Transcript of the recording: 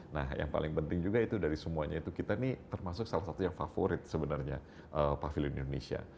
nah yang paling penting juga itu dari semuanya itu kita ini termasuk salah satu yang favorit sebenarnya pavilion indonesia